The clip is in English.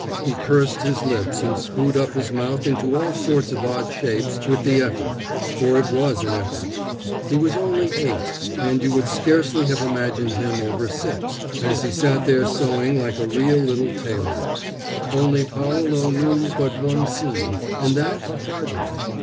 He pursed his lips and screwed up his mouth into all sorts of odd shapes with the effort, for it was an effort. He was only eight, and you would scarcely have imagined him over six, as he sat there sewing like a real little tailor; only Paolo knew but one seam, and that a hard one.